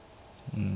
うん。